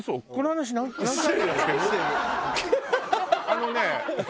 あのね